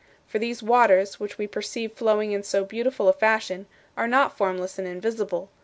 For these waters, which we perceive flowing in so beautiful a fashion, are not formless and invisible.